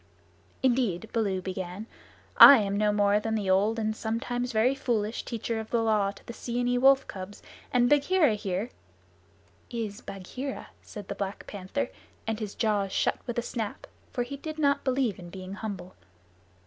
"Indeed," Baloo began, "I am no more than the old and sometimes very foolish Teacher of the Law to the Seeonee wolf cubs, and Bagheera here " "Is Bagheera," said the Black Panther, and his jaws shut with a snap, for he did not believe in being humble.